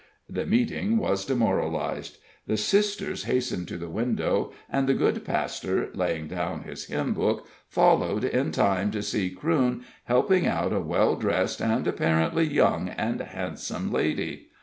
The meeting was demoralized; the sisters hastened to the window, and the good pastor, laying down his hymn book, followed in time to see Crewne helping out a well dressed and apparently young and handsome lady.